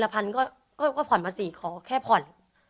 ผ่อนมาศีขอแค่ผ่อน